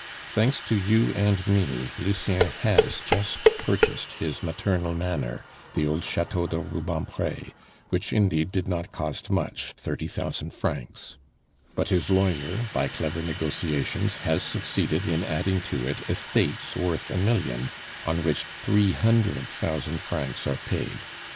Thanks to you, and me, Lucien has just purchased his maternal manor, the old Chateau de Rubempre, which, indeed, did not cost much thirty thousand francs; but his lawyer, by clever negotiations, has succeeded in adding to it estates worth a million, on which three hundred thousand francs are paid.